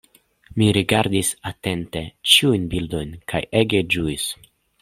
Mi rigardis atente ĉiujn bildojn kaj ege ĝuis.